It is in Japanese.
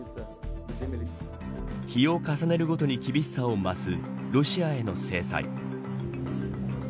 日を重ねるごとに厳しさを増すロシアへの制裁。